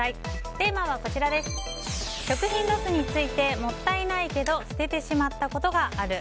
テーマは食品ロスについてもったいないけど捨ててしまったことがある。